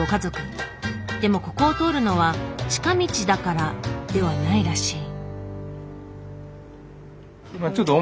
でもここを通るのは近道だからではないらしい。